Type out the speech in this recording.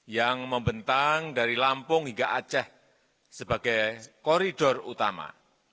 yang membentang dari lampung hingga aceh sebagai koridor utama